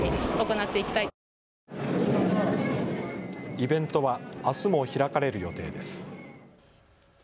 イベントはあすも開かれる予定です。